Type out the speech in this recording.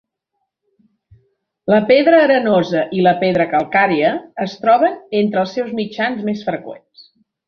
La pedra arenosa i la pedra calcària es troben entre els seus mitjans més freqüents.